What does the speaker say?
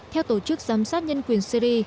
theo tổ chức giám sát nhân quyền syri